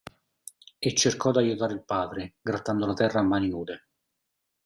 E cercò di aiutare il padre grattando la terra a mani nude.